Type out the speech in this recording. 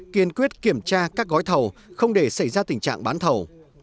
kiên quyết kiểm tra các gói thầu không để xảy ra tình trạng bán thầu